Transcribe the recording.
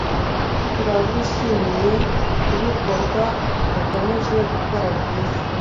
turabashimiye kubikorwa mukomeje gukora byiza